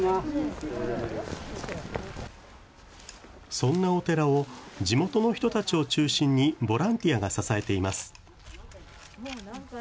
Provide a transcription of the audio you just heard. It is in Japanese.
そんなお寺を、地元の人たちを中心にボランティアが支えています。